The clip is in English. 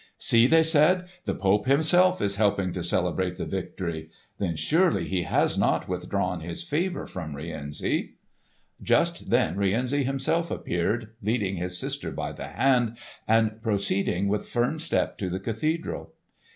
"See!" they said, "the Pope himself is helping to celebrate the victory. Then surely he has not withdrawn his favour from Rienzi!" Just then Rienzi himself appeared, leading his sister by the hand and proceeding with firm step to the cathedral.